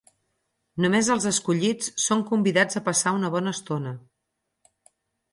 Només els escollits són convidats a passar una bona estona.